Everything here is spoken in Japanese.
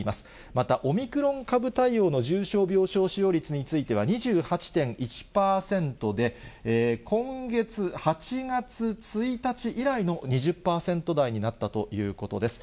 またオミクロン株対応の重症病床使用率については、２８．１％で、今月・８月１日以来の２０％台になったということです。